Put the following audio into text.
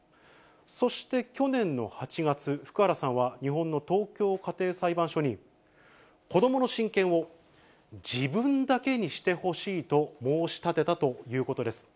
そして、去年の８月、福原さんは日本の東京家庭裁判所に、子どもの親権を自分だけにしてほしいと申し立てたということです。